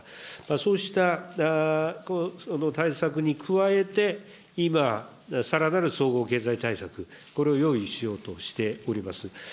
そうした対策に加えて、今、さらなる総合経済対策、これを用意しようとしております。